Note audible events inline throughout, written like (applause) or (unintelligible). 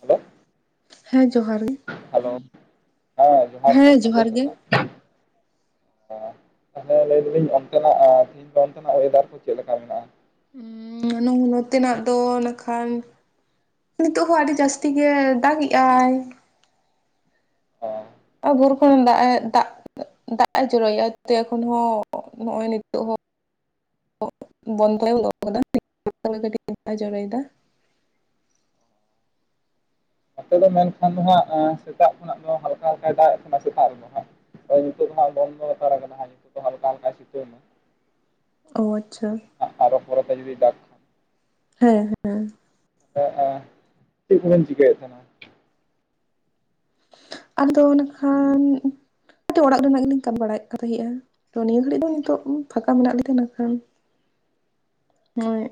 Hello. ᱦᱮᱸ ᱡᱚᱦᱟᱨ ᱜᱮ᱾ ᱦᱮᱞᱳ ᱦᱮᱸ ᱡᱚᱦᱟᱨ ᱜᱮ ᱦᱮᱸ ᱥᱟᱹᱜᱩᱱ ᱡᱚᱦᱟᱨ ᱜᱮ ᱥᱮᱛᱟᱜ᱾ ᱛᱟᱦᱚᱞᱮ ᱞᱟᱹᱭ ᱫᱟᱞᱤᱧ ᱚᱱᱛᱮᱱᱟᱜ ᱛᱤᱦᱤᱧ ᱫᱚ ᱚᱱᱛᱮᱱᱟᱜ ᱚᱭᱮᱫᱟᱨ ᱠᱚ ᱪᱮᱫᱮ ᱞᱮᱠᱟ ᱢᱮᱱᱟᱜᱼᱟ? ᱱᱩ ᱱᱚᱛᱮᱱᱟᱜ ᱫᱚ ᱱᱟᱠᱷᱟᱱ᱾ ᱱᱤᱛᱚᱜ ᱦᱚᱸ ᱟᱹᱰᱤ ᱡᱟᱹᱥᱛᱤ ᱜᱮ ᱫᱟᱜᱮᱜ ᱟᱭ᱾ (unintelligible) ᱟ ᱵᱷᱳᱨ ᱠᱷᱚᱱ ᱫᱟᱜ ᱮ ᱫᱟᱜ᱾ ᱫᱟᱜ ᱮ ᱡᱚᱨᱚᱭᱼᱟ ᱮᱠᱷᱚᱱ ᱦᱚᱸ ᱱᱚᱜᱼᱚᱭ ᱱᱤᱛᱳᱜ ᱦᱚᱸ᱾ (unintelligible) ᱠᱟᱹᱴᱤᱡ ᱡᱚᱨᱟᱭᱮᱫᱟ᱾ ᱟᱯᱮ ᱫᱚ ᱢᱮᱱᱠᱷᱟᱱ ᱫᱚ ᱦᱟᱸᱜ ᱥᱮᱛᱟᱜ ᱠᱷᱚᱱᱟᱜ ᱫᱚ ᱦᱟᱞᱠᱟ ᱦᱟᱞᱠᱟᱭ ᱫᱟᱜ ᱮᱫᱛᱟᱦᱮᱱᱟᱜ ᱥᱮᱛᱟᱜ ᱨᱮᱫᱚ ᱦᱟᱸ᱾ ᱦᱳᱭ ᱱᱤᱛᱟᱹ ᱫᱚ ᱦᱟᱸᱜ ᱵᱚᱱᱫᱚ ᱦᱟᱛᱟᱲ ᱠᱟᱱᱟᱫᱟ ᱱᱤᱛᱳ ᱫᱚ ᱦᱟᱞᱠᱟ ᱦᱟᱞᱠᱟ ᱥᱤᱛᱩᱝ ᱟ᱾ ᱚ ᱟᱪᱷᱟ᱾ ᱟᱨᱚ ᱯᱚᱨᱮᱛᱮ ᱡᱩᱤ ᱰᱟᱜ᱾ ᱦᱮᱸ ᱦᱮᱸ᱾ ᱪᱮᱫ ᱵᱮᱱ ᱪᱤᱠᱟᱹᱭᱮᱫ ᱛᱟᱦᱮᱱᱟ? ᱟᱫᱚ ᱮᱱᱠᱷᱟᱱ ᱚᱲᱟᱜ ᱨᱮᱱᱟᱜ ᱜᱮᱞᱤᱧ ᱠᱟᱹᱢᱤ ᱵᱟᱲᱟᱭᱮᱫ ᱠᱟᱱ ᱛᱟᱦᱮᱸᱼᱟ᱾ ᱛᱚ ᱱᱤᱭᱟᱹ ᱜᱷᱟᱹᱲᱤᱡ ᱫᱚ ᱱᱤᱛᱚᱜ ᱯᱷᱟᱠᱟ ᱢᱮᱱᱟᱜ ᱞᱤᱧ ᱛᱟᱦᱮᱱᱟ ᱠᱷᱟᱱ ᱱᱚᱜᱼᱚᱭ᱾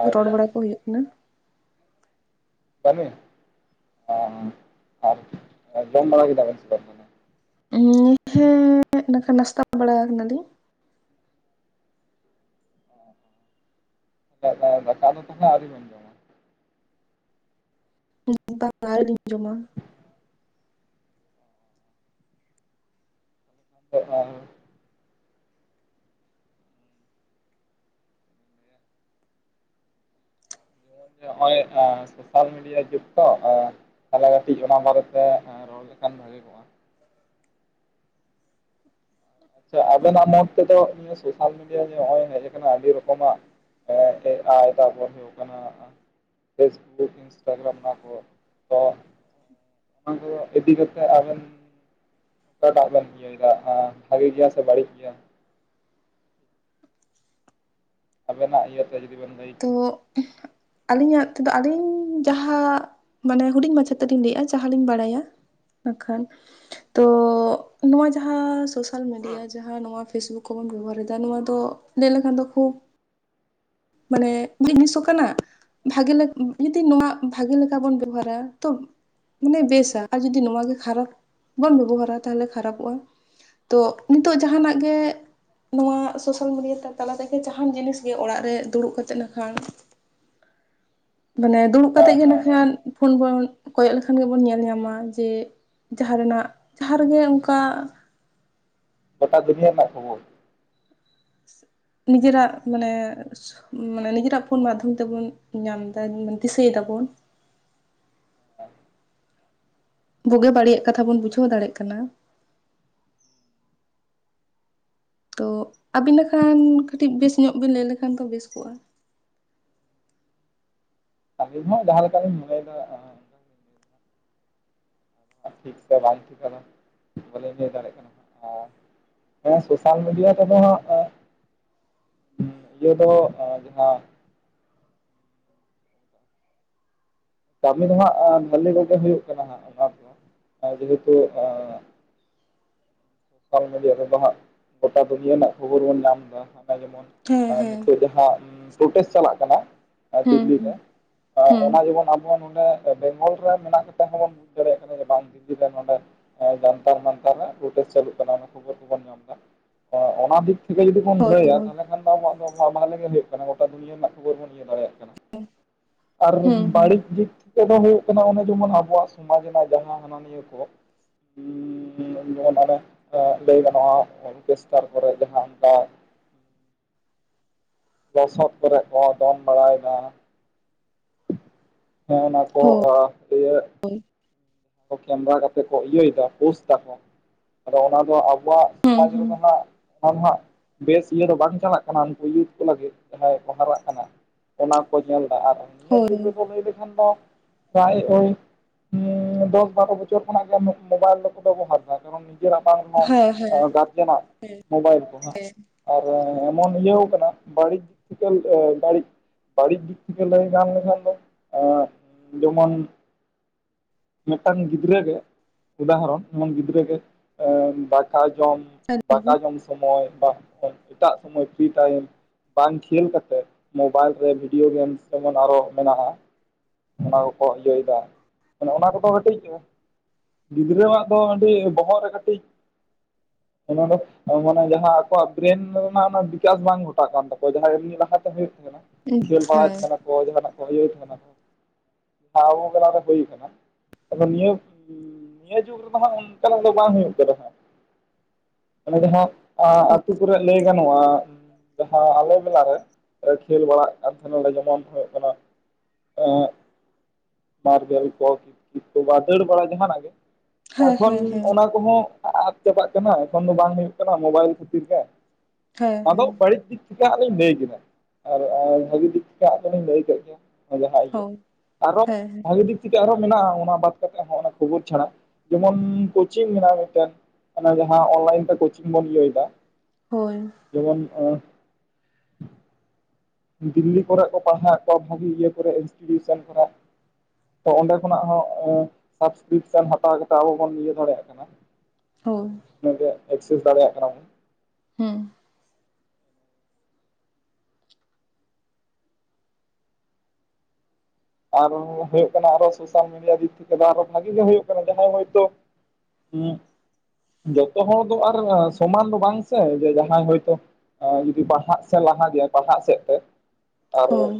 ᱟᱨ ᱨᱚᱲ ᱵᱟᱲᱟ ᱠᱚ ᱦᱩᱭᱩᱜ ᱠᱟᱱᱟ᱾ ᱵᱟᱹᱱᱩᱭᱟ ᱟᱨ ᱡᱚᱢ ᱵᱟᱲᱟ ᱠᱮᱫᱟ ᱵᱮᱱ? ᱦᱮᱸ ᱱᱟᱹᱠᱷᱟᱱ ᱱᱟᱥᱛᱟ ᱵᱟᱲᱟ ᱠᱟᱱᱟ ᱞᱤᱧ᱾ ᱫᱟᱠᱟ ᱫᱚ ᱛᱟᱦᱚᱞᱮ ᱟᱹᱣᱨᱤ ᱵᱤᱱ ᱡᱚᱢᱟ? ᱵᱟᱝ-ᱟ ᱟᱹᱣᱨᱤ ᱡᱚᱢᱟ᱾ ᱪᱮᱫ ᱟᱨ? ᱱᱚᱜᱼᱚᱭ ᱥᱳᱥᱟᱞ ᱢᱤᱰᱤᱭᱟ ᱡᱩᱜ ᱛᱚ ᱛᱟᱦᱚᱞᱮ ᱠᱟᱹᱴᱤᱡ ᱚᱱᱟ ᱵᱟᱨᱮᱛᱮ᱾ ᱨᱚᱲ ᱞᱮᱠᱷᱟᱱ ᱵᱷᱟᱜᱮ ᱠᱚᱣᱟ᱾ ᱟᱵᱮᱱᱟᱜ ᱢᱫ ᱛᱮᱫᱚ ᱱᱤᱭᱟᱹ ᱥᱳᱥᱟᱞ ᱢᱤᱰᱤᱭᱟ ᱱᱚᱜ ᱚᱭ ᱦᱮᱡ ᱠᱟᱱᱟ ᱟᱹᱰᱤ ᱨᱚᱠᱚᱢᱟᱜ᱾ ᱦᱮ ᱮ ᱟᱭ ᱛᱟᱨᱯᱚᱨ ᱦᱩᱭᱩᱜ ᱠᱟᱱᱟ᱾ (unintelligible) ᱚᱱᱟ ᱠᱚ ᱤᱫᱤ ᱠᱟᱛᱮ ᱟᱵᱮᱱ ᱚᱠᱟᱴᱟᱜ ᱵᱮᱱ ᱤᱭᱟᱹ ᱫᱟ᱾ ᱵᱷᱟᱜᱤ ᱜᱮᱭᱟ ᱥᱮ ᱵᱟᱹᱲᱤᱡ ᱜᱮᱭᱟ? ᱟᱵᱮᱱᱟᱜ ᱤᱭᱟᱹᱛᱮ ᱡᱩᱫᱤ ᱵᱮᱱ ᱞᱟᱹᱭ᱾ ᱠᱮᱭᱟ ᱛᱳ᱾ ᱟᱹᱞᱤᱧᱟᱜ ᱛᱮᱫᱚ ᱟᱞᱤᱧ ᱡᱟᱦᱟᱸ ᱢᱟᱱᱮ ᱦᱩᱰᱤᱧ ᱢᱟᱪᱷᱟᱛᱮᱞᱤᱧ ᱞᱟᱹᱭᱮᱜᱼᱟ ᱡᱟᱦᱟᱸ ᱞᱤᱧ ᱵᱟᱲᱟᱭᱟ᱾ ᱮᱠᱷᱟᱱ ᱛᱳ᱾ ᱱᱚᱣᱟ ᱡᱟᱦᱟᱸ ᱥᱳᱥᱟᱞ ᱢᱤᱰᱤᱭᱟ ᱡᱟᱦᱟᱸ ᱱᱚᱣᱟ ᱯᱷᱮᱥᱵᱩᱠ ᱠᱚᱵᱚᱱ ᱵᱮᱵᱚᱦᱟᱨᱮᱫᱟ ᱱᱚᱣᱟ ᱫᱚ ᱞᱟᱹᱭ ᱞᱮᱠᱷᱟᱱ ᱫᱚ ᱠᱷᱩᱵ᱾ ᱢᱟᱱᱮ ᱡᱤᱱᱤᱥᱚᱜ ᱠᱟᱱᱟ᱾ ᱵᱷᱟᱜᱮ ᱡᱚᱫᱤ ᱱᱚᱣᱟ ᱵᱷᱟᱜᱮ ᱞᱮᱠᱟ ᱵᱚᱱ ᱵᱮᱵᱚᱦᱟᱨᱟ ᱛᱚ᱾ ᱢᱟᱱᱮ ᱵᱮᱥᱟ ᱟᱨ ᱡᱩᱫᱤ ᱱᱚᱭᱟ ᱜᱮ ᱠᱷᱟᱨᱟᱯ ᱵᱚᱱ ᱵᱮᱵᱚᱦᱟᱨᱟ ᱛᱟᱦᱚᱞᱮ ᱠᱷᱟᱨᱟᱯᱚᱜᱼᱟ᱾ ᱛᱚ ᱱᱤᱛᱚᱜ ᱡᱟᱦᱟᱱᱟᱜ ᱜᱮ᱾ ᱱᱚᱣᱟ ᱥᱳᱥᱟᱞ ᱢᱤᱰᱤᱭᱟ ᱛᱟᱞᱟ ᱛᱮᱜᱮ ᱡᱟᱦᱟᱱ ᱡᱤᱱᱤᱥ ᱚᱲᱟᱜ ᱨᱮ ᱫᱩᱲᱩᱵ ᱠᱟᱛᱮᱫ ᱱᱟᱠᱷᱟᱱ ᱢᱟᱱᱮ ᱫᱩᱲᱩᱵ ᱠᱟᱛᱮ ᱦᱮᱸ ᱜᱮ ᱱᱟ ᱦᱮᱸ ᱠᱷᱟᱱ ᱯᱷᱳᱱ ᱵᱚᱱ ᱠᱚᱭᱚᱜ ᱞᱮᱠᱷᱟᱱ ᱜᱮᱵᱚᱱ ᱧᱮᱞ ᱧᱟᱢᱟ ᱡᱮ ᱡᱟᱦᱟᱸ ᱨᱮᱱᱟᱜ ᱡᱟᱦᱟᱸ ᱨᱮᱜᱮ ᱚᱱᱠᱟ ᱜᱳᱴᱟ ᱫᱩᱱᱤᱭᱟᱹ ᱨᱮᱱᱟᱜ ᱠᱷᱚᱵᱚᱨ᱾ ᱱᱤᱡᱮᱨᱟᱜ ᱢᱟᱱᱮ ᱢᱟᱱᱮ ᱱᱤᱡᱮᱨᱟᱜ ᱯᱷᱳᱱ ᱢᱟᱫᱽᱫᱷᱚᱢ ᱛᱮᱵᱚᱱ ᱧᱟᱢ ᱫᱟ ᱫᱤᱥᱟᱹᱭ ᱫᱟᱵᱚᱱ᱾ ᱵᱩᱜᱤ ᱵᱟᱹᱲᱤᱭᱟᱜ ᱠᱟᱛᱷᱟ ᱵᱚᱱ ᱵᱩᱡᱷᱟᱹᱣ ᱫᱟᱲᱮᱭᱟᱜ ᱠᱟᱱᱟ᱾ ᱛᱚ ᱟᱹᱵᱤᱱ ᱞᱮᱠᱷᱟᱱ ᱠᱟᱹᱴᱤᱡ ᱵᱮᱥ ᱧᱚᱜ ᱵᱤᱱ ᱞᱟᱹᱭ ᱞᱮᱠᱷᱟᱱ ᱫᱚ ᱵᱮᱥ ᱠᱚᱜᱼᱟ᱾ ᱟᱹᱞᱤᱧ ᱦᱚᱸ ᱡᱟᱦᱟᱸᱞᱮᱠᱟ ᱞᱤᱧ ᱢᱚᱱᱮᱭᱮᱫᱟ ᱟᱫᱚ ᱴᱷᱤᱠ ᱥᱮ ᱵᱟᱝ ᱴᱷᱤᱠ ᱵᱚᱞᱮ ᱞᱟᱹᱭ ᱫᱟᱲᱮᱭᱟᱜ ᱠᱟᱱᱟ ᱟᱨ ᱦᱮᱸ ᱥᱳᱥᱟᱞ ᱢᱤᱰᱤᱭᱟ ᱛᱮ ᱫᱚ ᱦᱟᱸᱜ ᱦᱮ ᱞᱟᱹᱭ ᱥᱟᱠᱚᱢ ᱡᱟᱦᱟ ᱠᱟᱹᱢᱤ ᱫᱚᱦᱟᱸᱜ ᱵᱷᱟᱞᱤ ᱠᱚᱜᱮ ᱦᱩᱭᱩᱜ ᱠᱟᱱᱟ ᱦᱟᱸᱜ ᱚᱱᱟ ᱫᱚ ᱡᱮᱦᱮᱛᱩ ᱥᱳᱥᱟᱞ ᱢᱤᱰᱤᱭᱟ ᱨᱮᱫᱚ ᱦᱟᱸᱜ ᱜᱚᱴᱟ ᱫᱩᱱᱤᱭᱟᱹ ᱨᱮᱱᱟᱜ ᱠᱷᱚᱵᱚᱨ ᱵᱚᱱ ᱧᱟᱢ ᱮᱫᱟ ᱦᱟᱱᱟ ᱡᱮᱢᱚᱱ ᱦᱮᱸ ᱦᱮᱸ ᱱᱤᱛᱚᱜ ᱡᱟᱦᱟᱸ ᱯᱨᱚᱴᱮᱥᱴ ᱪᱟᱞᱟᱜ ᱠᱟᱱᱟ ᱦᱮᱸ ᱫᱤᱞᱞᱤ ᱦᱮᱸ ᱨᱮ ᱦᱮᱸ ᱚᱱᱟ ᱡᱮᱢᱚᱱ ᱟᱵᱚ ᱱᱚᱰᱮ ᱵᱮᱝᱜᱚᱞ ᱨᱮ ᱢᱮᱱᱟᱜ ᱠᱟᱛᱮ ᱦᱚᱸᱵᱚᱱ ᱵᱩᱡᱽ ᱫᱟᱲᱮᱭᱟᱜ ᱠᱟᱱᱟ ᱡᱮ ᱱᱤᱛᱚᱜ ᱱᱚᱰᱮ ᱡᱟᱱᱛᱟᱲ ᱢᱟᱱᱛᱟᱨ ᱨᱮ ᱯᱨᱩᱴᱮᱥ ᱪᱟᱞᱩᱜ ᱚᱱᱟ ᱠᱷᱚᱵᱚᱨ ᱠᱚᱵᱚᱱ ᱧᱟᱢ ᱮᱫᱟ ᱚᱱᱟ ᱫᱤᱠ ᱛᱷᱮᱠᱮ ᱡᱩᱫᱤ ᱵᱚᱱ ᱦᱳᱭ ᱞᱟᱹᱭᱟ ᱦᱳᱭ ᱛᱟᱦᱚᱞᱮ ᱮᱱᱟᱝ ᱱᱟ ᱫᱚ ᱟᱵᱚᱣᱟᱜ ᱫᱚᱦᱟ ᱢᱟᱦᱟᱞ ᱜᱮ ᱦᱩᱭᱩᱜ ᱠᱟᱱᱟ ᱜᱚᱴᱟ ᱫᱩᱱᱭᱟᱹ ᱨᱮᱱᱟᱜ ᱠᱷᱚᱵᱚᱨ ᱵᱚᱱ ᱤᱭᱟᱹ ᱫᱟᱲᱮᱭᱟᱜᱼᱟ ᱟᱨ ᱦᱮᱸ ᱦᱮᱸ ᱵᱟᱹᱲᱤᱡᱽ ᱫᱤᱠ ᱫᱚ ᱦᱩᱭᱩᱜ ᱠᱟᱱᱟ ᱚᱱᱮ ᱡᱮᱢᱚᱱ ᱟᱵᱚᱣᱟᱜ ᱥᱚᱢᱟᱡᱽ ᱨᱮᱱᱟᱜ ᱡᱟᱦᱟᱸ ᱦᱟᱱᱟ ᱱᱤᱭᱟᱹ ᱠᱚ ᱡᱮ ᱞᱟᱹᱭ ᱜᱟᱱᱚᱜᱼᱟ ᱚᱨᱠᱮᱥᱴᱟᱨ ᱠᱚᱨᱮ ᱡᱟᱦᱟᱸ ᱚᱱᱠᱟ ᱞᱚᱥᱚᱫ ᱠᱚᱨᱮ ᱠᱚ ᱫᱚᱱ ᱵᱟᱲᱟᱭᱮᱫᱟ, ᱦᱮᱸ ᱚᱱᱟ ᱠᱚ ᱦᱳᱭ ᱤᱭᱟᱹ ᱠᱮᱢᱮᱨᱟ ᱠᱟᱛᱮ ᱠᱚ ᱤᱭᱟᱹᱭ ᱫᱟ ᱯᱳᱥᱴ ᱫᱟᱠᱚ ᱟᱫᱚ ᱚᱱᱟ ᱫᱚ ᱟᱵᱚᱣᱟᱜ ᱦᱮᱸ ᱥᱚᱢᱟᱡᱽ ᱨᱮᱫᱚ ᱦᱮᱸ ᱦᱟᱸᱜ ᱟᱨ ᱦᱟᱸᱜ ᱵᱮᱥ ᱤᱭᱟᱹ ᱫᱚ ᱵᱟᱝ ᱪᱟᱞᱟᱜ ᱠᱟᱱᱟ ᱩᱱᱠᱩ ᱤᱭᱩᱛ ᱠᱚ ᱞᱟᱹᱜᱤᱫ ᱡᱟᱦᱟᱸᱭ ᱠᱚ ᱦᱟᱨᱟᱜ ᱠᱟᱱᱟ᱾ ᱚᱱᱟ ᱠᱚ ᱧᱮᱞᱫᱟ ᱟᱨ ᱦᱳᱭ (unintelligible) ᱫᱚᱥ ᱵᱟᱨᱚ ᱵᱚᱪᱷᱚᱨ ᱠᱷᱚᱱᱟᱜ ᱜᱮ ᱢᱳᱵᱟᱭᱤᱞ ᱫᱚᱠᱚ ᱵᱮᱵᱚᱦᱟᱨ ᱮ ᱠᱟᱨᱚᱱ ᱡᱮ ᱵᱟᱝ ᱦᱚᱸ ᱦᱮᱸ ᱦᱮᱸ ᱜᱟᱨᱡᱮᱱᱟᱜ ᱦᱮᱸ ᱢᱳᱵᱟᱭᱤᱞ ᱠᱚ ᱦᱟᱸᱜ ᱟᱨ ᱮᱢᱚᱱ ᱤᱭᱟᱹ ᱠᱟᱱᱟ ᱵᱟᱹᱲᱤᱡ ᱫᱤᱠ ᱛᱷᱤᱠᱮᱞᱤᱭᱟ ᱵᱟᱹᱲᱤᱡ ᱵᱟᱹᱲᱤᱡ ᱫᱤᱠ ᱛᱷᱮᱠᱮ ᱞᱟᱹᱭ ᱜᱟᱱ ᱞᱮᱠᱷᱟᱱ ᱫᱚ ᱡᱮᱢᱚᱱ ᱢᱤᱫᱴᱟᱝ ᱜᱤᱫᱽᱨᱟᱹᱜᱮ ᱩᱫᱟᱦᱚᱨᱚᱱ ᱡᱮᱢᱚᱱ ᱜᱤᱫᱽᱨᱟᱹᱜ ᱜᱮ ᱫᱟᱠᱟ ᱡᱚᱢ ᱥᱟᱹᱨᱤ ᱫᱟᱠᱟ ᱜᱮ ᱡᱚᱢ ᱥᱚᱢᱚᱭ ᱵᱟ ᱮᱴᱟᱜ ᱥᱚᱢᱚᱭ ᱯᱨᱤ ᱴᱟᱭᱤᱢ ᱵᱟᱝ ᱠᱷᱮᱞ ᱠᱟᱛᱮ ᱢᱳᱵᱟᱭᱤᱞ ᱨᱮ ᱵᱷᱤᱰᱤᱭᱳ ᱜᱮᱢᱥ ᱡᱮᱢᱚᱱ ᱟᱨᱚ ᱢᱮᱱᱟᱜᱼᱟ᱾ ᱚᱱᱟ ᱠᱚᱠᱚ ᱤᱭᱟᱹ ᱭᱮᱫᱟ ᱚᱱᱟ ᱠᱚ ᱠᱟᱹᱴᱤᱡ ᱜᱤᱫᱽᱨᱟᱹᱣᱟᱜ ᱫᱚ ᱟᱹᱰᱤ ᱵᱚᱦᱚᱜ ᱨᱮ ᱠᱟᱹᱴᱤᱡ ᱚᱱᱟ ᱫᱚ ᱢᱟᱱᱮ ᱡᱟᱦᱟᱸ ᱟᱠᱚᱣᱟᱜ ᱵᱨᱮᱱ ᱨᱮᱱᱟᱜ ᱚᱱᱟ ᱵᱤᱠᱟᱥ ᱵᱟᱝ ᱜᱷᱚᱴᱟᱜ ᱠᱟᱱ ᱛᱟᱠᱚᱣᱟ ᱡᱟᱦᱟᱸ ᱢᱤᱫ ᱞᱟᱦᱟᱛᱮ ᱦᱩᱭᱩᱜ ᱛᱟᱦᱮᱸ ᱠᱟᱱᱟ᱾ ᱠᱷᱮᱞ ᱵᱟᱲᱟᱭ ᱛᱟᱦᱮᱱᱟᱠᱚ ᱡᱟᱦᱟᱱᱟᱜ ᱠᱚ ᱦᱩᱭᱩᱜ ᱛᱟᱦᱮᱱ ᱟᱵᱚ ᱵᱮᱞᱟᱨ ᱨᱮ ᱦᱩᱭ ᱟᱠᱟᱱᱟ ᱾ ᱟᱫᱚ ᱱᱤᱭᱟᱹ ᱱᱤᱭᱟᱹ ᱡᱩᱜᱽ ᱨᱮᱫᱚ ᱦᱟᱸᱜ ᱚᱱᱠᱟᱱᱟᱜ ᱫᱚ ᱵᱟᱝ ᱦᱩᱭᱩᱜ ᱠᱟᱱᱟ ᱦᱟᱸᱜ᱾ ᱚᱱᱮ ᱡᱟᱦᱟᱸ ᱟᱹᱛᱩ ᱠᱚᱨᱮ ᱞᱟᱹᱭ ᱜᱟᱱᱚᱜᱼᱟ ᱡᱟᱦᱟᱸ ᱟᱞᱮ ᱢᱮᱞᱟᱨᱮ ᱠᱷᱮᱞ ᱵᱟᱲᱟᱜ ᱠᱟᱱ ᱛᱟᱦᱮᱱᱟᱞᱮ ᱡᱮᱢᱚᱱ ᱦᱩᱭᱩᱜ ᱠᱟᱱᱟ ᱮᱜ ᱢᱟᱨᱵᱮᱞ ᱠᱚ ᱠᱚ ᱵᱟ ᱫᱟᱹᱲ ᱵᱟᱲᱟ ᱡᱟᱦᱟᱱᱟᱜ ᱜᱮ ᱦᱮᱸ ᱦᱮᱸ ᱮᱠᱷᱚᱱ ᱦᱮᱸ ᱦᱮᱸ ᱚᱱᱟ ᱠᱚ ᱦᱚᱸ ᱟᱫ ᱪᱟᱵᱟᱜ ᱠᱟᱱᱟ ᱮᱠᱷᱚᱱ ᱫᱚ ᱵᱟᱝ ᱦᱩᱭᱩᱜ ᱠᱟᱱᱟ ᱢᱳᱵᱟᱭᱤᱞ ᱠᱷᱟᱹᱛᱤᱨ ᱜᱮ ᱦᱮᱸ ᱟᱫᱚ ᱦᱮᱸ ᱵᱟᱹᱲᱤᱡᱽ ᱫᱤᱠ ᱪᱤᱠᱟᱹᱜ ᱞᱤᱧ ᱞᱟᱹᱭ ᱠᱮᱫᱟ ᱟᱨ ᱵᱷᱟᱹᱜᱤ ᱫᱤᱠ ᱴᱟᱜ ᱫᱚᱞᱤᱧ ᱞᱟᱹᱭ ᱠᱮᱫ ᱜᱮᱭᱟ᱾ ᱡᱟᱦᱟᱸ ᱤᱭᱟᱹ ᱦᱳᱭ ᱟᱨᱚ ᱦᱮᱸ ᱦᱮᱸ ᱵᱷᱟᱜᱤ ᱫᱤᱠ ᱛᱷᱮᱠᱮ ᱟᱨᱦᱚᱸ ᱢᱮᱱᱟᱜ-ᱟ ᱚᱱᱟ ᱵᱟᱫ ᱠᱟᱛᱮ ᱦᱚᱸ ᱚᱱᱟ ᱠᱷᱚᱵᱚᱨ ᱪᱷᱟᱲᱟ ᱡᱮᱢᱚᱱ ᱠᱳᱪᱤᱝ ᱢᱮᱱᱟᱜ-ᱟ ᱢᱤᱫᱴᱮᱱ᱾ ᱚᱱᱟ ᱡᱟᱦᱟᱸ ᱚᱱᱞᱟᱭᱤᱱ ᱛᱮ ᱠᱳᱪᱤᱝ ᱵᱚᱱ ᱞᱟᱹᱭ ᱫᱟ᱾ ᱦᱳᱭ ᱡᱚᱢᱚᱱ ᱫᱤᱞᱞᱤ ᱠᱚᱨᱮ ᱠᱚ ᱯᱟᱲᱦᱟᱣᱮᱫ ᱠᱚᱣᱟ ᱵᱷᱟᱹᱜᱤ ᱤᱭᱟᱹ ᱠᱚᱨᱮ ᱤᱱᱥᱴᱤ ᱴᱤᱭᱩᱥᱮᱱ ᱠᱚᱨᱮ᱾ ᱛᱚ ᱚᱸᱰᱮ ᱠᱷᱚᱱᱟᱜ ᱦᱚᱸ ᱥᱟᱵᱥᱠᱨᱤᱯᱥᱮᱱ ᱦᱟᱛᱟᱣ ᱠᱟᱛᱮ ᱟᱵᱚ ᱵᱚᱱ ᱤᱭᱟᱹ ᱫᱟᱲᱮᱭᱟᱜ ᱠᱟᱱᱟ᱾ (inaudible) ᱦᱳᱭ (unintelligible) ᱮᱠᱥᱮᱥ ᱫᱟᱲᱮᱭᱟᱜ ᱠᱟᱱᱟᱵᱚᱱ᱾ ᱦᱮᱸ ᱟᱨ ᱦᱚᱸ ᱦᱳᱭᱳᱜ ᱠᱟᱱᱟ ᱟᱨᱚ ᱥᱳᱥᱟᱞ ᱢᱤᱰᱤᱭᱟ ᱫᱤᱠ ᱛᱷᱮᱠᱮ ᱫᱚ ᱟᱨᱚ ᱵᱷᱟᱜᱮ ᱜᱮ ᱦᱳᱭᱳᱜ ᱠᱟᱱᱟ, ᱡᱟᱦᱟᱸᱭ ᱦᱳᱭᱛᱚ ᱦᱩᱸ ᱡᱚᱛᱚ ᱦᱚᱲ ᱫᱚ ᱟᱨ ᱥᱚᱢᱟᱱ ᱫᱚ ᱵᱟᱝ ᱥᱮ ᱡᱮ ᱡᱟᱦᱟᱸᱭ ᱦᱳᱭ ᱛᱚ ᱟᱸ ᱡᱩᱫᱤ ᱯᱟᱲᱦᱟᱜ ᱥᱮᱫ ᱞᱟᱦᱟ ᱜᱮᱭᱟᱭ ᱯᱟᱲᱦᱟᱜ ᱥᱮᱫ ᱛᱮ ᱟᱨ ᱦᱳᱭ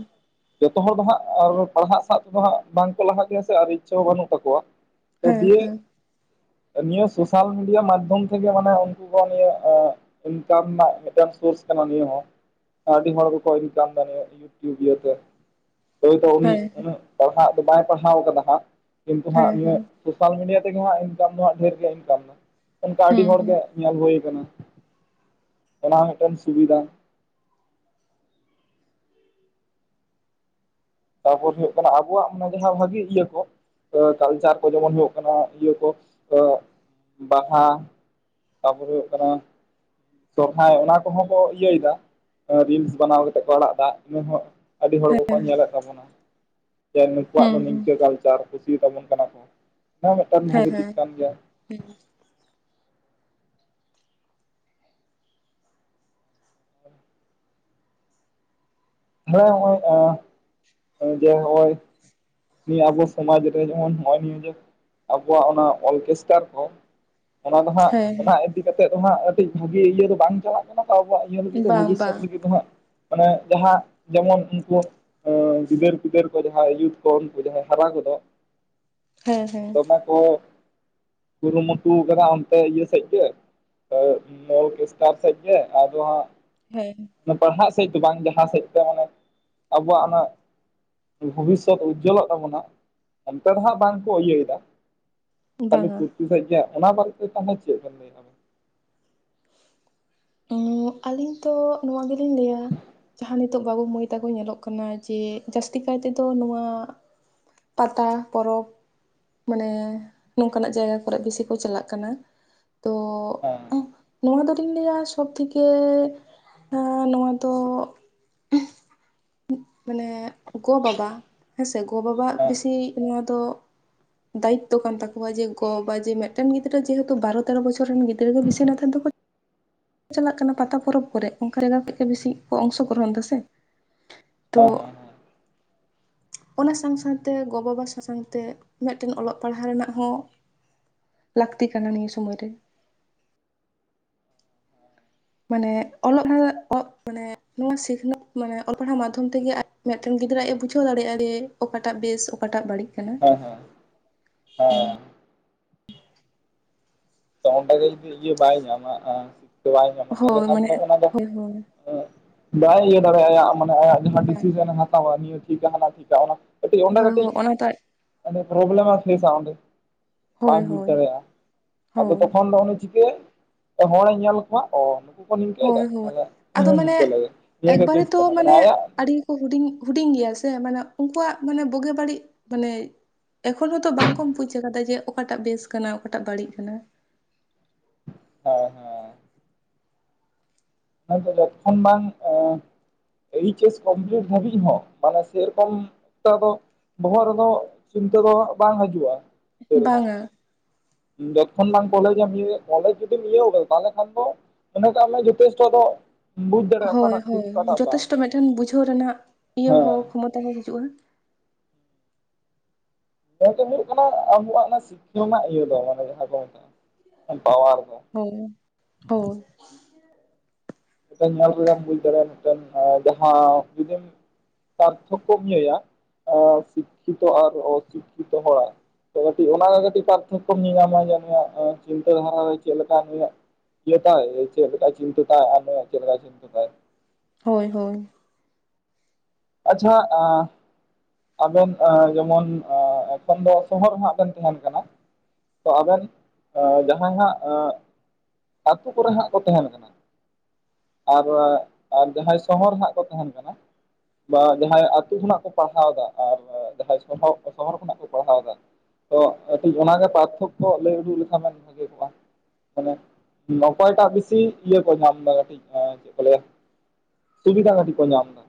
ᱡᱚᱛᱚ ᱦᱚᱲ ᱫᱚ ᱦᱟᱸᱜ ᱟᱨ ᱯᱟᱲᱦᱟᱜ ᱥᱟᱜ ᱛᱮᱫᱚ ᱦᱟᱸᱜ ᱵᱟᱝᱠᱚ ᱞᱟᱦᱟ ᱜᱮᱭᱟ, ᱥᱮ ᱟᱨ ᱤᱪᱪᱷᱟ ᱦᱚᱸ ᱵᱟᱹᱱᱩᱜ ᱛᱟᱠᱚᱣᱟ ᱛᱚ ᱦᱮᱸ ᱫᱤᱭᱮ ᱦᱮᱸ ᱱᱤᱭᱟᱹ ᱥᱳᱥᱟᱞ ᱢᱤᱰᱤᱭᱟ ᱢᱟᱫᱽᱫᱷᱚᱢ ᱛᱮᱜᱮ ᱢᱟᱱᱮ ᱩᱱᱠᱩ ᱠᱚ ᱱᱤᱭᱟᱹ ᱤᱱᱠᱟᱢ ᱨᱮᱱᱟᱜ ᱢᱤᱫᱴᱟᱱ ᱥᱳᱨᱥ ᱠᱟᱱᱟ ᱱᱤᱭᱟᱹ ᱦᱚᱸ᱾ ᱟᱹᱰᱤ ᱦᱚᱲ ᱜᱮᱠᱚ (unintelligible) ᱤᱭᱩᱯᱤᱭᱟᱭ (unintelligible) ᱦᱳᱭᱛᱚ ᱩᱱᱤ ᱦᱮᱸ ᱩᱱᱟᱹᱜ ᱯᱟᱲᱦᱟᱜ ᱫᱚ ᱵᱟᱭ ᱯᱟᱲᱦᱟᱣ ᱠᱟᱫᱟ ᱦᱟᱸᱜ ᱠᱤᱱᱛᱩ ᱦᱮᱸ ᱦᱟᱸᱜ ᱦᱮᱸ (unintelligible) ᱥᱳᱥᱟᱞ ᱢᱤᱰᱤᱭᱟ ᱛᱮᱜᱮ ᱦᱟᱸᱜ ᱤᱱᱠᱟᱢ ᱫᱚ ᱦᱟᱸᱜ ᱰᱷᱮᱨ ᱜᱮ ᱤᱱᱠᱟᱢ ᱫᱚ ᱚᱱᱠᱟ ᱟᱹᱰᱤ ᱦᱮᱸ ᱦᱮᱸ ᱦᱚᱲᱜᱮ ᱧᱮᱞ ᱦᱳᱭ ᱠᱟᱱᱟ ᱚᱱᱟ ᱦᱚᱸ ᱢᱤᱫᱴᱮᱱ ᱥᱩᱵᱤᱫᱷᱟ᱾ ᱛᱟᱯᱚᱨ ᱦᱩᱭᱩᱜ ᱠᱟᱱᱟ ᱟᱵᱚᱣᱟᱜ ᱢᱟᱱᱮ ᱡᱟᱦᱟᱸ ᱵᱷᱟᱹᱜᱤ ᱤᱭᱟᱹ ᱠᱚ ᱠᱟᱞᱪᱟᱨ ᱠᱚ ᱡᱚᱢᱚᱱ ᱦᱩᱭᱩᱜ ᱠᱟᱱᱟ ᱤᱭᱟᱹ ᱠᱚ ᱵᱟᱦᱟ ᱛᱟᱯᱚᱨᱮ ᱦᱩᱭᱩᱜ ᱠᱟᱱᱟ ᱥᱚᱨᱦᱟᱭ ᱚᱱᱟ ᱠᱚᱦᱚᱸ ᱠᱚ ᱤᱭᱟᱹᱭᱫᱟ ᱨᱤᱞᱥ ᱵᱟᱱᱟᱣ ᱠᱟᱛᱮ ᱠᱚ ᱟᱲᱟᱜ ᱫᱟ ᱤᱱᱟᱹ ᱦᱚᱸ ᱟᱹᱰᱤ ᱦᱚᱲ ᱦᱮᱸ ᱠᱚᱠᱚ ᱦᱮᱸ ᱧᱮᱞᱮᱫ ᱛᱟᱵᱚᱱᱟ ᱡᱮ ᱱᱩᱠᱩᱣᱟᱜ ᱫᱚ ᱱᱤᱝ ᱦᱮᱸ ᱠᱟᱹ ᱠᱟᱞᱪᱟᱨ ᱠᱩᱥᱤᱭᱟᱛᱟ ᱵᱚᱱ ᱠᱟᱱᱟ ᱠᱚ ᱱᱚᱣᱟ ᱢᱤᱫᱴᱟᱝ ᱵᱷᱟᱜᱤ ᱫᱤᱠ ᱠᱟᱱ ᱜᱮᱭᱟ᱾ ᱦᱩᱸ (inaudible) ᱦᱮᱸ ᱦᱚᱸᱜᱚᱭᱮᱸ ᱡᱮ ᱦᱚᱸᱜᱚᱭ ᱱᱤᱭᱟᱹ ᱟᱵᱚ ᱥᱚᱢᱟᱡ ᱨᱮ ᱡᱮᱢᱚᱱ ᱱᱚᱜᱚᱭ ᱱᱤᱭᱟᱹ ᱡᱮ ᱟᱵᱚᱣᱟᱜ ᱚᱱᱟ ᱚᱞᱠᱮᱥᱴᱟᱨ ᱠᱚ ᱚᱱᱟ ᱫᱚ ᱦᱟᱸᱜ ᱚᱱᱟ ᱤᱫᱤ ᱠᱟᱛᱮᱫ ᱫᱚ ᱦᱟᱸᱜ ᱠᱟᱹᱴᱤᱡ ᱵᱷᱟᱹᱜᱤ ᱤᱭᱟᱹ ᱫᱚ ᱵᱟᱝ ᱪᱟᱞᱟᱜ ᱠᱟᱱᱟ ᱟᱵᱚᱣᱟᱜ ᱤᱭᱟᱹ ᱞᱟᱹᱜᱤᱫ ᱦᱮᱸ ᱫᱚ ᱵᱟᱝ ᱵᱷᱚᱵᱤᱥᱚᱛ ᱵᱟᱝ ᱞᱟᱹᱜᱤᱫ ᱫᱚ ᱦᱟᱸᱜ ᱢᱟᱱᱮ ᱡᱟᱦᱟᱸ ᱡᱮᱢᱚᱱ ᱩᱱᱠᱩ ᱜᱤᱫᱟᱹᱨ ᱯᱤᱫᱟᱹᱨ ᱠᱚ ᱡᱟᱦᱟᱸ (unintelligible) ᱠᱚ ᱩᱱᱠᱩ ᱡᱟᱦᱟᱸᱭ ᱦᱟᱨᱟ ᱠᱚᱫᱚ ᱦᱮᱸ ᱦᱮᱸ ᱠᱚ ᱠᱩᱨᱩᱢᱩᱴᱩ ᱠᱟᱫᱟ ᱚᱱᱛᱮ ᱤᱭᱟᱹ ᱥᱮᱫ ᱜᱮ (unintelligible) ᱥᱮᱡ ᱜᱮ ᱟᱫᱚ ᱦᱟᱸᱜ ᱦᱮᱸ ᱯᱟᱲᱦᱟᱜ ᱥᱮᱫ ᱫᱚ ᱵᱟᱝ ᱡᱟᱦᱟᱸ ᱥᱮᱫ ᱛᱮ ᱢᱟᱱᱮ ᱟᱵᱚᱣᱟᱜ ᱚᱱᱟ ᱵᱷᱚᱵᱤᱥ ᱛᱚᱯ ᱩᱡᱡᱚᱞᱚᱜ ᱛᱟᱵᱚᱱᱟ ᱚᱱᱛᱮ ᱫᱚ ᱦᱟᱸᱜ ᱵᱟᱝ ᱠᱚ ᱤᱭᱟᱹᱭᱫᱟ ᱠᱷᱟᱹᱞᱤ ᱵᱟᱝᱟ (unintelligible) (unintelligible) ᱚᱱᱟ ᱵᱟᱨᱮ ᱛᱮ ᱛᱟᱦᱟᱞᱮ ᱪᱮᱫ ᱵᱮᱱ ᱞᱟᱹᱭᱫᱟ? ᱩᱸ ᱟᱹᱞᱤᱧ ᱛᱚ ᱱᱚᱣᱟ ᱜᱮᱞᱤᱧ ᱞᱟᱹᱭᱟ ᱡᱟᱦᱟᱸ ᱱᱤᱛᱚᱜ ᱵᱟᱹᱵᱩ ᱢᱟᱹᱭ ᱛᱟᱠᱚ ᱧᱮᱞᱚᱜ ᱠᱟᱱᱟ ᱡᱮ ᱡᱟᱹᱥᱛᱤ ᱠᱟᱭ ᱛᱮᱫᱚ ᱱᱚᱣᱟ ᱯᱟᱛᱟ ᱯᱚᱨᱚᱵᱽ᱾ ᱢᱟᱱᱮ ᱱᱚᱝᱠᱟᱱᱟᱜ ᱡᱟᱭᱜᱟ ᱠᱚᱨᱮ ᱵᱤᱥᱤ ᱠᱚ ᱪᱟᱞᱟᱜ ᱠᱟᱱᱟ᱾ ᱛᱚ ᱦᱮᱸ ᱱᱚᱣᱟ ᱫᱚᱞᱤᱧ ᱞᱟᱹᱭᱟ ᱥᱚᱵ ᱛᱷᱮᱠᱮ ᱱᱚᱣᱟ ᱚᱻ ᱱᱚᱣᱟ ᱫᱚ᱾ ᱢᱟᱱᱮ ᱜᱚ ᱵᱟᱵᱟ ᱦᱮᱸᱥᱮ ᱜᱚ ᱵᱟᱵᱟᱜ ᱦᱮᱸ ᱵᱮᱥᱤ ᱱᱚᱣᱟ ᱫᱚ᱾ ᱫᱟᱭᱤᱛᱛᱚ ᱠᱟᱱ ᱛᱟᱠᱚᱣᱟ ᱡᱮ ᱜᱚ ᱵᱟᱵᱟ ᱡᱮ ᱢᱤᱫᱴᱮᱱ ᱜᱤᱫᱽᱨᱟᱹ ᱡᱮᱦᱮᱛᱩ ᱵᱟᱨᱚ ᱛᱮᱨᱚ ᱵᱚᱪᱷᱚᱨ ᱨᱮᱱ ᱜᱤᱫᱽᱨᱟᱹ ᱜᱮ ᱵᱤᱥᱤ ᱱᱮᱛᱟᱨ ᱫᱚᱠᱚ᱾ ᱪᱟᱞᱟᱜ ᱠᱟᱱᱟ ᱯᱟᱛᱟ ᱯᱚᱨᱚᱵᱽ ᱠᱚᱨᱮ ᱚᱱᱠᱟ ᱡᱟᱭᱜᱟ ᱠᱷᱚᱡᱜᱮ ᱵᱮᱥᱤ ᱠᱚ ᱚᱝᱥᱚᱜᱨᱚᱦᱚᱱ ᱫᱟ ᱥᱮ᱾ ᱛᱚ ᱦᱮᱸ ᱦᱮᱸ ᱚᱱᱟ ᱥᱟᱶ ᱥᱟᱶᱛᱮ ᱜᱚ ᱵᱟᱵᱟ ᱥᱟᱥᱟᱝ ᱛᱮ ᱢᱤᱫᱴᱮᱱ ᱚᱞᱚᱜ ᱯᱟᱲᱦᱟᱣ ᱨᱮᱱᱟᱜ ᱦᱚᱸ᱾ ᱞᱟᱹᱠᱛᱤ ᱠᱟᱱᱟ ᱱᱤᱭᱟᱹ ᱥᱳᱢᱚᱭ ᱨᱮ᱾ ᱢᱟᱱᱮ ᱚᱞᱚᱜ (unintelligible) ᱢᱟᱱᱮ ᱱᱚᱣᱟ ᱥᱤᱠᱷᱱᱟᱹᱛ ᱢᱟᱱᱮ ᱚᱞ ᱯᱟᱲᱦᱟᱣ ᱢᱟᱫᱽᱫᱷᱚᱢ ᱛᱮᱜᱮ ᱟᱨ ᱢᱤᱫᱴᱮᱱ ᱜᱤᱫᱽᱨᱟᱹ ᱟᱡ ᱮ ᱵᱩᱡᱷᱟᱹᱣ ᱫᱟᱲᱮᱭᱟᱜ ᱡᱮ ᱚᱠᱟᱴᱟᱜ ᱵᱮᱥ ᱚᱠᱟᱴᱟᱜ ᱵᱟᱹᱲᱤᱡ᱾ ᱠᱟᱱᱟ ᱦᱮᱸ ᱦᱮᱸ ᱦᱩᱸ ᱦᱮᱸ ᱛᱚ ᱚᱸᱰᱮᱜᱮ ᱡᱩᱫᱤ ᱤᱭᱟᱹ ᱵᱟᱭ ᱧᱟᱢᱟ ᱛᱚᱣᱟᱭ ᱧᱟᱢᱟ ᱛᱟᱦᱚᱞᱮ ᱦᱳᱭ ᱠᱷᱟᱱ ᱢᱟᱱᱮ ᱫᱚ ᱚᱱᱟ ᱫᱚ᱾ ᱦᱳᱭ ᱦᱳᱭ ᱵᱟᱭ ᱤᱭᱟᱹ ᱫᱟᱲᱮᱭᱟᱜ-ᱟ ᱟᱭᱟᱜ ᱢᱟᱱᱮ ᱟᱭᱟᱜ ᱡᱟᱦᱟᱸ ᱵᱟᱝ ᱰᱤᱥᱤᱥᱮᱱᱮ ᱦᱟᱛᱟᱣᱟ ᱱᱤᱭᱟᱹ ᱴᱷᱤᱠᱟ ᱦᱟᱱᱟ ᱴᱷᱤᱠᱟ ᱚᱱᱟ᱾ ᱠᱟᱹᱴᱤᱡ ᱚᱸᱰᱮ ᱦᱳᱭ ᱠᱟᱹᱴᱤᱡ ᱦᱳᱭ ᱚᱱᱟ ᱫᱚ ᱟᱡ ᱯᱨᱳᱵᱽᱞᱮᱢ ᱮ ᱯᱷᱮᱥᱟ ᱟᱸᱰᱮ ᱵᱟᱭ ᱦᱳᱭ ᱵᱩᱡ ᱦᱳᱭ ᱫᱟᱲᱮᱭᱟᱜ-ᱟ ᱟᱫᱚ ᱦᱳᱭ ᱛᱚᱠᱷᱚᱱ ᱫᱚ ᱩᱱᱤ ᱪᱤᱠᱟᱹᱭᱟ ᱦᱚᱲᱮ ᱧᱮᱞ ᱠᱚᱣᱟ, ᱚᱻ (unintelligible) ᱱᱤᱝᱠᱟᱹᱭ ᱫᱟ ᱦᱳᱭ ᱦᱳᱭ ᱢᱟᱱᱮ ᱩᱱᱤ ᱟᱫᱚ ᱦᱚᱸ ᱢᱟᱱᱮ ᱱᱤᱝᱠᱟᱹ ᱞᱟᱹᱜᱤᱛ᱾ ᱱᱤᱭᱟᱹᱜᱮ ᱮᱠᱵᱟᱨᱮ ᱛᱤᱥ ᱛᱚ ᱠᱟᱱᱟ, ᱢᱟᱱᱮ ᱟᱭᱟᱜ ᱟᱹᱰᱤ ᱜᱮᱠᱚ ᱦᱩᱰᱤᱧ ᱦᱩᱰᱤᱧ ᱜᱮᱭᱟ ᱥᱮ ᱢᱟᱱᱮ ᱩᱱᱠᱩᱣᱟᱜ ᱢᱟᱱᱮ ᱵᱩᱜᱤ ᱵᱟᱹᱲᱤᱡ᱾ ᱢᱟᱱᱮ- ᱮᱠᱷᱚᱱ ᱦᱚᱸᱛᱚ ᱵᱟᱝ ᱠᱚᱢ ᱵᱩᱡ ᱟᱠᱟᱫᱟ ᱡᱮ ᱚᱠᱟᱴᱟᱜ ᱵᱮᱥ ᱠᱟᱱᱟ ᱚᱠᱟᱴᱟᱜ ᱵᱟᱹᱲᱤᱡ ᱠᱟᱱᱟ᱾ ᱦᱳᱭ (unintelligible) ᱮᱭᱤᱪ ᱮᱥ ᱠᱚᱢᱯᱤᱞᱤᱴ ᱫᱷᱟᱹᱵᱤᱡ ᱦᱚᱸ ᱢᱟᱱᱮ ᱥᱮᱨᱚᱠᱚᱢ ᱚᱛ ᱫᱚ᱾ ᱵᱚᱦᱚᱜ ᱨᱮᱫᱚ ᱪᱤᱱᱛᱟᱹ ᱫᱚ ᱵᱟᱝ ᱦᱤᱡᱩᱜᱼᱟ᱾ ᱥᱮᱨᱚᱠᱚᱢ ᱵᱟᱝᱟ ᱡᱚᱛᱠᱷᱚᱱ ᱵᱟᱝ ᱠᱚᱞᱮᱢᱮᱢ ᱤᱭᱟᱹᱜᱮᱜ ᱠᱚᱞᱮᱡᱽ ᱡᱩᱫᱤᱢ ᱤᱭᱟᱹ (unintelligible) ᱛᱟᱦᱚᱞᱮ ᱠᱷᱟᱱ ᱫᱚ᱾ ᱚᱱᱟᱜ ᱫᱟᱢ ᱨᱮᱱᱟᱜ ᱡᱩᱛᱮᱥᱴᱚ ᱫᱚ᱾ ᱵᱩᱡᱽ ᱫᱟᱲᱮᱭᱟᱜᱼᱟ ᱦᱳᱭ ᱚᱠᱟᱴᱟᱜ ᱴᱷᱤᱠ ᱦᱳᱭ ᱚᱠᱟᱴᱟᱜ ᱵᱟᱝ ᱡᱚᱛᱷᱮᱥᱴᱚ ᱢᱤᱫᱴᱮᱱ ᱵᱩᱡᱷᱟᱹᱣ ᱨᱮᱱᱟᱜ ᱤᱭᱟᱹ ᱦᱚᱸ ᱠᱷᱚᱢᱚᱛ ᱦᱤᱡᱩᱜᱼᱟ। ᱮᱱᱛᱮ ᱦᱩᱭᱩᱜ ᱠᱟᱱᱟ ᱟᱵᱚᱣᱟᱜ ᱥᱤᱠᱠᱷᱟᱚ ᱤᱭᱟᱹ ᱫᱚ ᱢᱟᱱᱮ ᱡᱟᱦᱟᱸ ᱠᱚ ᱢᱮᱛᱟᱜᱼᱟ ᱯᱟᱣᱟᱨ ᱫᱚ᱾ ᱦᱳᱭ ᱦᱳᱭ᱾ ᱢᱤᱫ ᱧᱮᱞᱠᱮᱫᱟᱢ ᱵᱩᱡ ᱫᱟᱲᱮᱭᱟᱜᱼᱟ ᱢᱤᱫᱴᱮᱱ ᱡᱟᱦᱟᱸ (unintelligible) ᱛᱟᱨᱛᱷᱚᱠᱚᱢ ᱞᱟᱹᱭᱟ ᱥᱤᱠᱠᱷᱤᱛᱚ ᱟᱨ ᱚᱥᱤᱠᱠᱷᱤᱛᱚ ᱦᱚᱲᱟᱜ᱾ ᱛᱚ ᱠᱟᱹᱴᱤᱡ ᱚᱱᱟᱜᱮ ᱠᱟᱹᱴᱤᱡ ᱯᱟᱨᱛᱷᱠᱚᱢ ᱧᱮᱞᱧᱟᱢᱟ ᱡᱮ (unintelligible) ᱪᱤᱱᱛᱟᱹ (unintelligible) ᱨᱮ ᱪᱮᱫ ᱞᱮᱠᱟ (unintelligible) (unintelligible) ᱪᱮᱫ ᱞᱮᱠᱟ ᱪᱤᱱᱛᱟᱭ ᱟᱨ (unintelligible) ᱪᱮᱫ ᱞᱮᱠᱟ ᱪᱤᱱᱛᱟᱹ ᱛᱟᱭ᱾ ᱦᱳᱭ ᱦᱳᱭ ᱟᱪᱪᱷᱟ ᱟᱻ ᱟᱵᱮᱱ ᱟᱻ ᱡᱮᱢᱚᱱ ᱟᱻ ᱮᱠᱷᱚᱱ ᱫᱚ ᱥᱚᱦᱚᱨ ᱨᱮ ᱦᱟᱸᱜ ᱵᱮᱱ ᱛᱟᱦᱮᱱ ᱠᱟᱱᱟ᱾ ᱛᱚ ᱟᱵᱮᱱ ᱡᱟᱦᱟᱸᱭ ᱦᱟᱸᱜ ᱟᱹᱛᱩ ᱠᱚᱨᱮ ᱦᱟᱸᱜ ᱠᱚ ᱛᱟᱦᱮᱱ ᱠᱟᱱᱟ᱾ ᱟᱨ ᱟᱨ ᱡᱟᱦᱟᱸᱭ ᱥᱚᱦᱚᱨ ᱨᱮ ᱦᱟᱸᱜ ᱠᱚ ᱛᱟᱦᱮᱱ ᱠᱟᱱᱟ᱾ ᱵᱟ ᱡᱟᱦᱟᱸᱟᱭ ᱟᱛᱳ ᱠᱷᱚᱱᱟᱜ ᱠᱚ ᱯᱟᱲᱦᱟᱣ ᱫᱟ ᱟᱨ ᱡᱟᱦᱟᱸᱭ ᱥᱚᱦᱚᱨ ᱥᱚᱦᱚᱨ ᱠᱷᱚᱱᱟᱜ ᱠᱚ ᱯᱟᱲᱦᱟᱣ ᱫᱟ᱾ ᱛᱚ ᱠᱟᱹᱴᱤᱜ ᱟᱱᱟᱜᱮ ᱵᱟᱨᱛᱷᱚᱠᱠᱚ ᱞᱟᱹᱭ ᱩᱰᱩᱠ ᱞᱮᱠᱷᱟᱱ ᱵᱷᱟᱜᱮ ᱠᱚᱜᱼᱟ ᱢᱟᱱᱮ᱾ ᱚᱠᱚᱭᱴᱟᱜ ᱵᱮᱥᱤ ᱤᱭᱟᱹ ᱠᱚ ᱧᱟᱢ ᱫᱟ᱾ ᱠᱟᱹᱴᱤᱡ ᱪᱮᱫ ᱠᱚ ᱞᱟᱹᱭᱟ? ᱥᱩᱵᱤᱫᱷᱟ ᱠᱟᱹᱴᱤᱡ ᱠᱚ ᱧᱟᱢ ᱮᱫᱟ᱾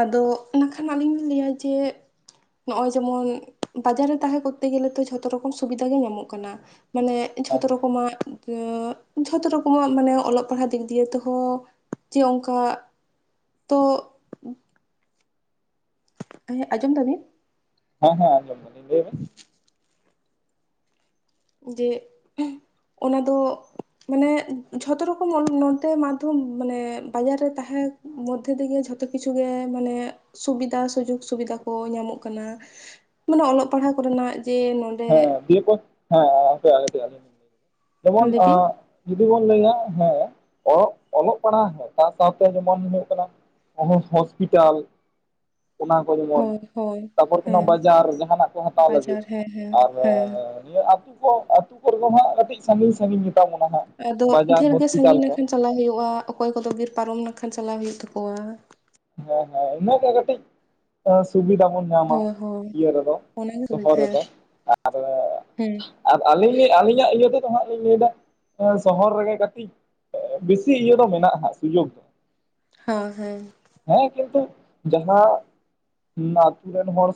ᱟᱫᱚ ᱚᱱᱟ ᱠᱷᱟᱱ ᱟᱹᱞᱤᱧ ᱞᱤᱧ ᱞᱟᱹᱭᱟ ᱡᱮ ᱱᱚᱜ ᱚᱚᱭ ᱡᱮᱢᱚᱱ ᱵᱟᱡᱟᱨ ᱨᱮ ᱛᱟᱦᱮᱸ ᱠᱚᱨᱛᱮ ᱜᱮᱞᱮ ᱛᱚ ᱡᱷᱚᱛᱚ ᱨᱚᱠᱚᱢ ᱥᱩᱵᱤᱫᱷᱟ ᱜᱮ ᱧᱟᱢᱚᱜ ᱠᱟᱱᱟ᱾ ᱢᱟᱱᱮ ᱦᱮᱸ ᱡᱷᱚᱛᱚ ᱦᱮᱸ ᱨᱚᱠᱚᱢ ᱢᱟᱜ᱾ ᱡᱷᱚᱛᱚ ᱨᱚᱠᱚᱢᱟᱜ ᱢᱟᱱᱮ ᱚᱞᱚᱜ, ᱯᱟᱲᱦᱟᱜ ᱫᱤᱠ ᱫᱤᱭᱮ ᱛᱮᱦᱚᱸ ᱡᱮ ᱚᱝᱠᱟ ᱛᱳ ᱦᱮᱸ ᱟᱡᱚᱢ ᱫᱟᱵᱤᱱ ᱦᱮᱸ ᱦᱮᱸ ᱟᱡᱚᱢ ᱮᱫᱟᱞᱤᱧ ᱞᱟᱹᱭ ᱵᱮᱱ? (inaudible) ᱡᱮ ᱚᱱᱟᱫᱚ ᱢᱟᱱᱮ ᱡᱷᱚᱛᱚ ᱨᱚᱠᱚᱢ ᱱᱚᱛᱮ ᱢᱟᱫᱽᱫᱷᱚᱢ ᱢᱟᱱᱮ ᱵᱟᱡᱟᱨ ᱨᱮ ᱛᱟᱦᱮᱸ ᱢᱚᱫᱽᱫᱷᱮ ᱛᱮᱜᱮ ᱡᱷᱚᱛᱚ ᱠᱤᱪᱷᱩ ᱜᱮ, ᱢᱟᱱᱮ ᱥᱩᱵᱤᱫᱷᱟ ᱥᱩᱡᱳᱜᱽ ᱥᱩᱵᱤᱫᱷᱟ ᱠᱚ ᱧᱟᱢᱚᱜ ᱠᱟᱱᱟ᱾ ᱢᱟᱱᱮ ᱚᱞᱚᱜ ᱯᱟᱲᱦᱟᱜ ᱠᱚᱨᱮᱱᱟᱜ ᱡᱮ ᱦᱮᱸ ᱫᱤᱭᱟᱹ ᱠᱚ ᱦᱮᱸ ᱦᱮᱸ ᱞᱟᱹᱭ ᱵᱤᱱ (unintelligible) ᱡᱩᱫᱤ ᱵᱚᱱ ᱞᱟᱹᱭᱟ ᱦᱮᱸ ᱚᱞᱚᱜ ᱯᱟᱲᱦᱟᱜ ᱦ ᱥᱟᱶ ᱥᱟᱶᱛᱮ ᱡᱮᱢᱚᱱ ᱦᱩᱭᱩᱜ ᱠᱟᱱᱟ᱾ ᱦᱳᱥᱯᱤᱴᱟᱞ ᱚᱱᱟ ᱠᱚ ᱡᱮᱢᱚᱱ ᱦᱳᱸ ᱦᱳᱸ ᱛᱟᱯᱚᱨ ᱠᱳᱱᱳ ᱦᱮᱸ ᱵᱟᱡᱟᱨ ᱡᱟᱦᱟᱱᱟᱜ ᱠᱚ ᱦᱟᱛᱟᱣ ᱞᱟᱹᱜᱤᱫ ᱵᱟᱡᱟᱨ ᱦᱮᱸ ᱦᱮᱸ ᱟᱨ ᱦᱮᱸ ᱱᱤᱭᱟᱹ ᱟᱛᱳ ᱠᱚ ᱟᱛᱳ ᱠᱚᱨᱮᱫᱚ ᱦᱟᱸᱜ ᱠᱟᱹᱴᱤᱡ ᱥᱟᱺᱜᱤᱧ ᱥᱟᱺᱜᱤᱧ ᱜᱮᱛᱟ ᱵᱚᱱᱟ ᱦᱟᱸᱜ ᱟᱫᱚ ᱵᱟᱡᱟᱨ ᱰᱷᱮᱨ ᱜᱮ ᱦᱚᱥᱯᱤᱴᱟᱞ ᱥᱟᱺᱟᱹᱜᱤᱧ ᱠᱚ ᱱᱟᱠᱷᱟᱱ ᱪᱟᱞᱟᱜᱣ ᱦᱩᱭᱩᱜᱼᱟ᱾ ᱚᱠᱚᱭ ᱠᱚᱫᱚ ᱵᱤᱨ ᱯᱟᱨᱚᱢ ᱞᱮᱠᱷᱟᱱ ᱪᱟᱞᱟᱜ ᱦᱩᱭᱩᱜ ᱛᱟᱠᱚᱣᱟ᱾ ᱦᱮᱸ ᱦᱮᱸ ᱤᱱᱟᱹᱜ ᱠᱟᱹᱴᱤᱡ ᱥᱩᱵᱤᱫᱟ ᱵᱚᱱ᱾ ᱧᱟᱢᱟ ᱦᱳᱭ ᱦᱳᱭ ᱤᱭᱟᱹ ᱨᱮᱫᱚ ᱚᱱᱟᱜᱮ ᱥᱚᱦᱚᱨ ᱥᱩᱵᱤᱫᱷᱟ ᱦᱮᱸ ᱨᱮᱫᱚ ᱟᱨ ᱟᱨ ᱟᱹᱞᱤᱧ ᱟᱹᱞᱤᱧᱟᱜ ᱤᱭᱟᱹ ᱛᱮᱫᱚ ᱦᱟᱜ ᱞᱤᱧ ᱞᱟᱹᱭ ᱮᱫᱟ ᱥᱚᱦᱚᱨ ᱨᱮᱜᱮ ᱠᱟᱹᱴᱤᱡ ᱵᱤᱥᱤ ᱤᱭᱟᱹ ᱫᱚ ᱢᱮᱱᱟᱜᱼᱟ ᱥᱩᱡᱳᱜᱽ ᱫᱚ᱾ ᱦᱚᱸ ᱦᱮᱸ ᱦᱮᱸ ᱠᱤᱱᱛᱩ ᱡᱟᱦᱟᱸ ᱱᱟᱛᱩ ᱨᱮᱱ ᱦᱚᱲ